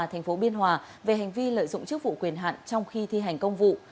tp biên hòa về hành vi lợi dụng chức vụ quyền hạn trong khi thi hành công vụ